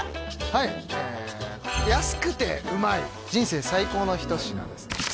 はい安くてうまい人生最高の一品です